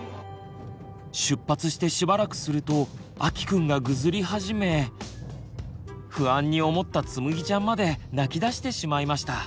出発してしばらくするとあきくんがぐずり始め不安に思ったつむぎちゃんまで泣きだしてしまいました。